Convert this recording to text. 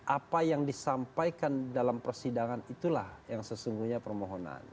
apa yang disampaikan dalam persidangan itulah yang sesungguhnya permohonan